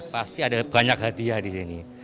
pasti ada banyak hadiah di sini